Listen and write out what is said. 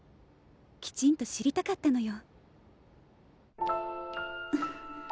きちんと知りたかったのよ。